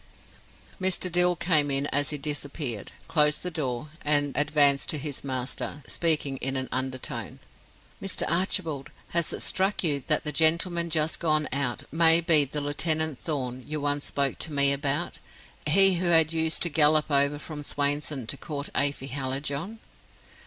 Mr. Dill came in as he disappeared, closed the door, and advanced to his master, speaking in an under tone. "Mr. Archibald, has it struck you that the gentleman just gone out may be the Lieutenant Thorn you once spoke to me about he who had used to gallop over from Swainson to court Afy Hallijohn?"